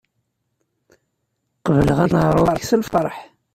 Qebleɣ aneɛṛuḍ-ik s lfeṛḥ.